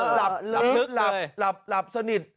หลับลึกหลับสนิท